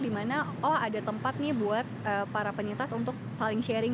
di mana oh ada tempat nih buat para penyintas untuk saling sharing gitu gitu gitu ya